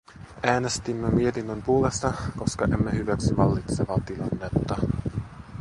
Äänestimme mietinnön puolesta, koska emme hyväksy vallitsevaa tilannetta.